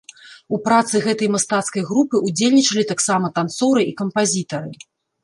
У працы гэтай мастацкай групы ўдзельнічалі таксама танцоры і кампазітары.